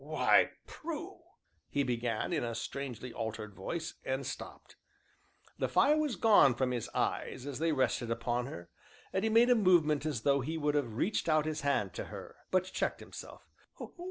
"Why, Prue " he began, in a strangely altered voice, and stopped. The fire was gone from his eyes as they rested upon her, and he made a movement as though he would have reached out his hand to her, but checked himself.